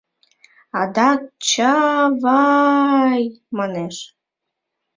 Адак «Ча-ава-ай!» манеш.